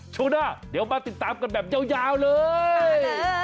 ช่วงหน้าเดี๋ยวมาติดตามกันแบบยาวเลย